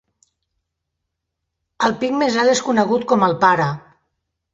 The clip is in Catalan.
El pic més alt és conegut com el "pare".